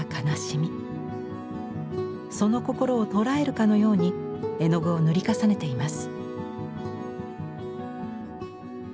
その心を捉えるかのように絵の具を塗り重ねています。